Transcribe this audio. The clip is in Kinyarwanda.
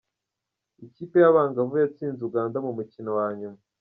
Ikipe y'abangavu yatsinze Uganda ku mukino wa nyuma.